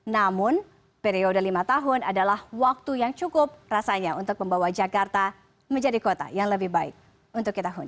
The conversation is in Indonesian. namun periode lima tahun adalah waktu yang cukup rasanya untuk membawa jakarta menjadi kota yang lebih baik untuk kita huni